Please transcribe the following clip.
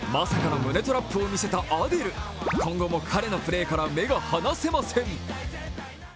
まさかの胸トラップを見せたアデル、今後も目が離せません。